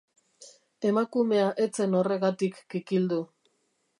Emakumea ez zen horregatik kikildu.